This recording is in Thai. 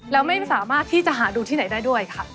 แล้วไม่สามารถที่จะหาดูที่ไหนได้ด้วยค่ะ